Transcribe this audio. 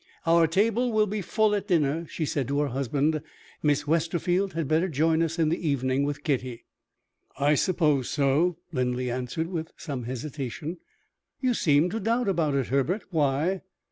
"Our table will be full at dinner," she said to her husband; "Miss Westerfield had better join us in the evening with Kitty." "I suppose so," Linley answered with some hesitation. "You seem to doubt about it, Herbert. Why?"